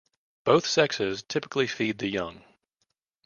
Both sexes typically feed the young.